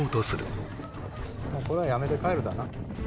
「これはやめて帰るだな」